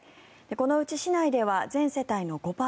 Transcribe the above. このうち市内では全世帯の５％